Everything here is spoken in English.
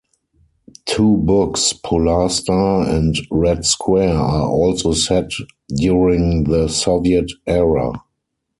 Two books, "Polar Star" and "Red Square", are also set during the Soviet era.